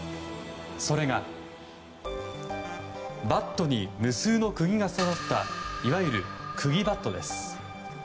それが、バットに無数の釘が刺さったいわゆる釘バットです。